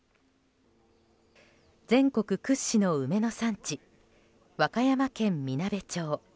全国屈指の梅の産地和歌山県みなべ町。